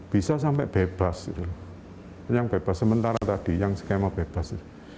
bisa sampai bebas itu yang bebas sementara tadi yang skema bebas